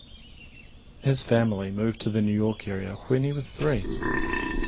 His family moved to the New York area when he was three.